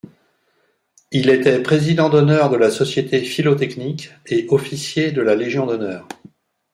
Il était président d’honneur de la Société philotechnique et officier de la Légion d’honneur.